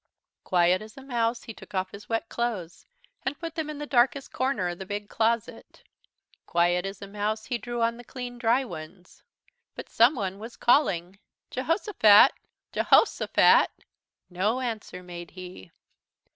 Quiet as a mouse he took off his wet clothes, and put them in the darkest corner of the big closet. Quiet as a mouse he drew on the clean dry ones. But someone was calling: "Jehosophat Je hos' o phat!" No answer made he.